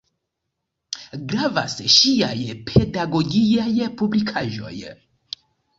Gravas ŝiaj pedagogiaj publikaĵoj.